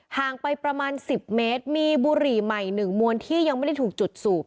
ห่างไปประมาณ๑๐เมตรมีบุหรี่ใหม่๑มวลที่ยังไม่ได้ถูกจุดสูบ